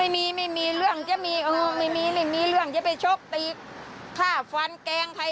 ไม่มีไม่มีเรื่องจะมีไม่มีเรื่องจะไปชกตีฆ่าฟันแกล้งใคร